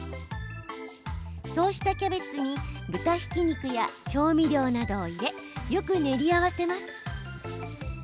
そうしたキャベツに豚ひき肉や調味料などを入れよく練り合わせます。